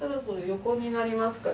横になりますか？